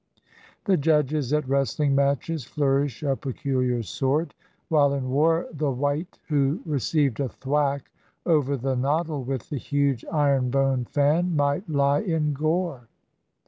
The judges at wrestHng matches flourish a peculiar sort, while in war the wight who re ceived a thwack over the noddle with the huge iron boned fan might He in gore.